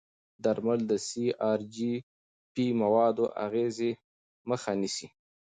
درمل د سي ار جي پي موادو اغېزې مخه نیسي.